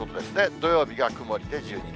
土曜日が曇りで１２度。